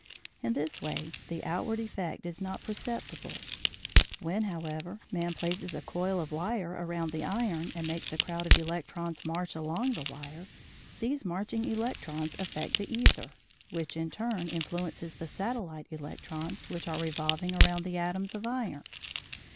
In this way the outward effect is not perceptible. When, however, man places a coil of wire around the iron, and makes a crowd of electrons march along the wire, these marching electrons affect the æther, which in turn influences the satellite electrons which are revolving around the atoms of iron.